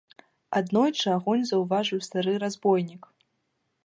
Аднойчы агонь заўважыў стары разбойнік.